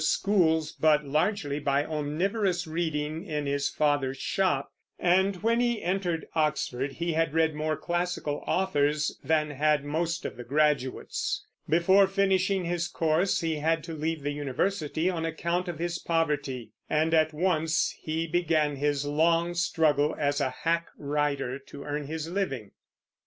He prepared for the university, partly in the schools, but largely by omnivorous reading in his father's shop, and when he entered Oxford he had read more classical authors than had most of the graduates. Before finishing his course he had to leave the university on account of his poverty, and at once he began his long struggle as a hack writer to earn his living.